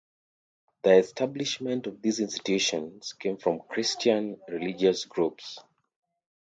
The establishment of these institutions came from Christian religious groups.